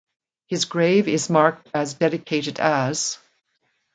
His grave is marked as dedicated as